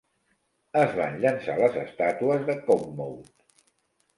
Es van llençar les estàtues de Còmmode.